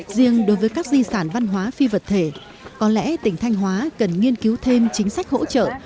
riêng đối với các di sản văn hóa phi vật thể có lẽ tỉnh thanh hóa cần nghiên cứu thêm chính sách hỗ trợ